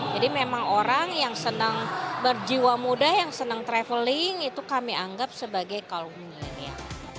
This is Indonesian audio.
jadi memang orang yang senang berjiwa muda yang senang traveling itu kami anggap sebagai kaum milenial